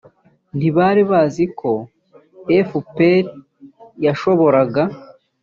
ntibari bazi ko fpr yashoboraga